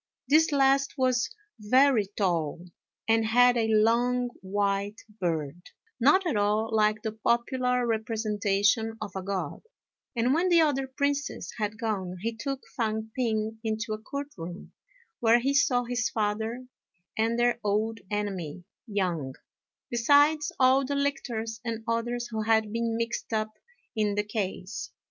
This last was very tall, and had a long white beard, not at all like the popular representation of a God; and when the other princes had gone, he took Fang p'ing into a court room, where he saw his father and their old enemy, Yang, besides all the lictors and others who had been mixed up in the case.